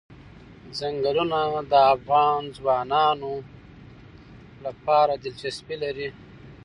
ځنګلونه د افغان ځوانانو لپاره دلچسپي لري.